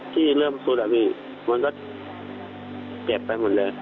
ที่เริ่มสู้ดาวิมันก็เจ็บไปหมดเลย